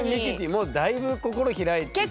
もうだいぶ心開いてるよね。